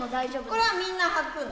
これはみんな履くの？